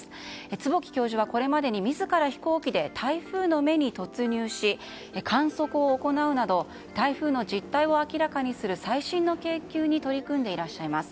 坪木教授はこれまでに自ら飛行機で台風の目に突入し観測を行うなど台風の実態を明らかにする最新の研究に取り組んでいらっしゃいます。